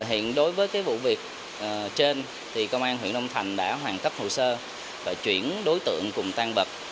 hiện đối với cái vụ việc trên thì công an huyện long thành đã hoàn cấp hồ sơ và chuyển đối tượng cùng tan bật